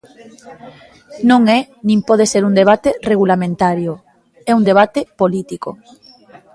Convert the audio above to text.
Non é nin pode ser un debate regulamentario, É un debate político.